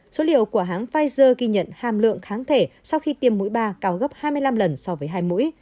số liệu của hãng pfizer ghi nhận hàm lượng kháng thể sau khi tiêm mũi ba cao gấp hai mươi năm lần so với hai mũi